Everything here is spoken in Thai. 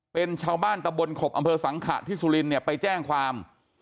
เป็นชาวบ้านตะบนขบอำเภอสังขะที่สุรินเนี่ยไปแจ้งความ